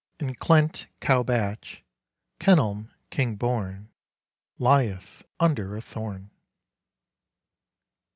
"_In Clent cow batch, Kenelm, King born, Lieth under a thorn.